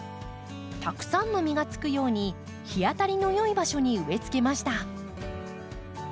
たくさんの実がつくように日当たりの良い場所に植え付けました。